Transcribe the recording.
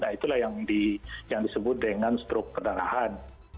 nah itulah yang disebut dengan struk perdarahan